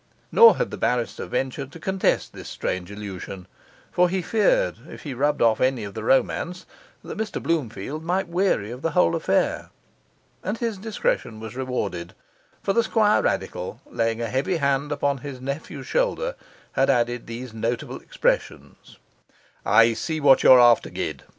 Nor had the barrister ventured to contest this strange illusion; for he feared if he rubbed off any of the romance, that Mr Bloomfield might weary of the whole affair. And his discretion was rewarded; for the Squirradical, laying a heavy hand upon his nephew's shoulder, had added these notable expressions: 'I see what you are after, Gid.